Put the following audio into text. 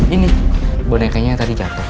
ini bonekanya yang tadi jatuh